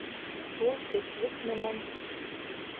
Ул көслөк менән: